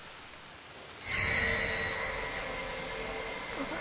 あっ。